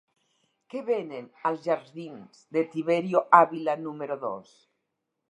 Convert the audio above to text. Què venen als jardins de Tiberio Ávila número dos?